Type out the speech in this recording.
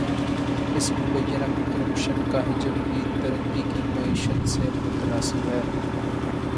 اس مبینہ کرپشن کا حجم بھی ترکی کی معیشت سے متناسب ہے۔